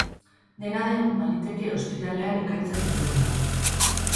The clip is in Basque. Dena den, baliteke ostiralean ekaitzak izatea.